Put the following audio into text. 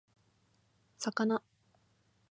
魚